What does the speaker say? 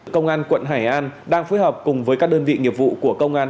công an quận hải an đang phối hợp cùng với các đơn vị nghiệp vụ của công an